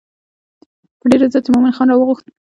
په ډېر عزت یې مومن خان راوغوښت.